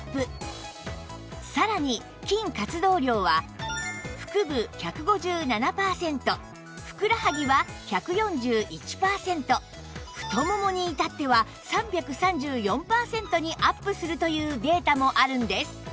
さらに筋活動量は腹部１５７パーセントふくらはぎは１４１パーセント太ももに至っては３３４パーセントにアップするというデータもあるんです